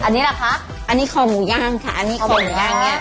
อันนี้ล่ะคะอันนี้คอหมูย่างค่ะอันนี้คอหมูย่างเนี่ย